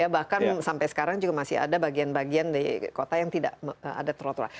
bahkan sampai sekarang juga masih ada bagian bagian di kota yang tidak ada trotoar